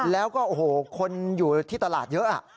แล้วก็โอ้โหคนอยู่ที่ตลาดเยอะ